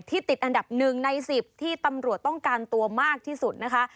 ติดอันดับ๑ใน๑๐ที่ตำรวจต้องการตัวมากที่สุดนะคะ